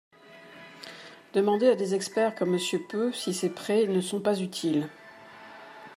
Demandez à des experts comme Monsieur Peu si ces prêts ne sont pas utiles.